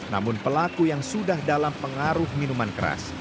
namun pelaku yang sudah dalam pengaruh minuman keras